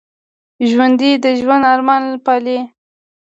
ژوندي د ژوند ارمان پالي